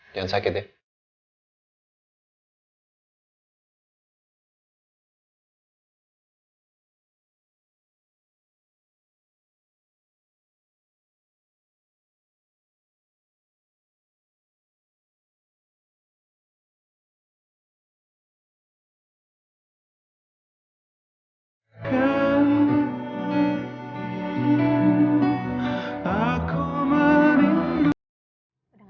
jangan sakit ya